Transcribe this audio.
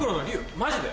マジで？